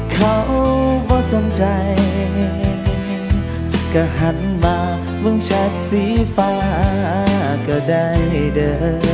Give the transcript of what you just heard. เขาก็สนใจก็หันมาเมืองแชทสีฟ้าก็ได้เด้อ